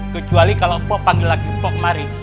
kecuali kalau pok panggil lagi pok kemari